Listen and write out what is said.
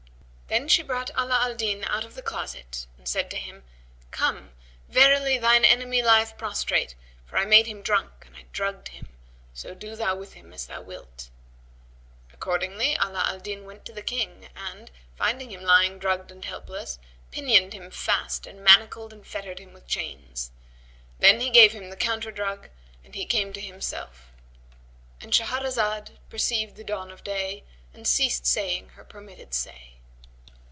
Then she brought Ala al Din out of the closet and said to him, "Come; verily thine enemy lieth prostrate, for I made him drunk and drugged him; so do thou with him as thou wilt." Accordingly Ala al Din went to the King and, finding him lying drugged and helpless, pinioned him fast and manacled and fettered him with chains. Then he gave him the counter drug and he came to himself,—And Shahrazad perceived the dawn of day and ceased saying her permitted say.